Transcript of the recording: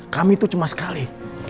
kami tuh cemas sekali